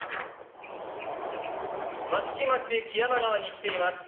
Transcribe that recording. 益城町木山川に来ています。